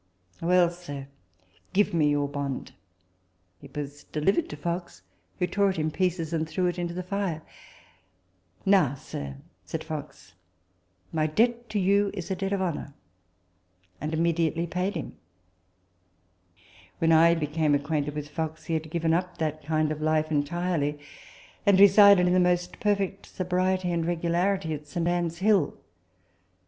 " Well, sir, give me your bond." It was delivered to Fox, who tore it in pieces and threw them into the fire. " Now, sir," said Fox, "my debt to you is a debt of honour "; and immediately paid him. When I became acquainted with Fox, he had TABLE TALK OF SAMUEL ROGERS 43 given up that kind of life entirely, and resided in the most perfect sobriety and regularity at St. Anne's Hill.